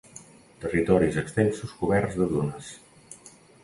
Territoris extensos coberts de dunes.